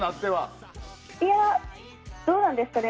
いやどうなんですかね。